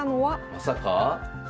まさか？